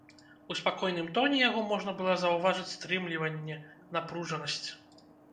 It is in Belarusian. У спакойным тоне яго можна было заўважыць стрымліванне, напружанасць.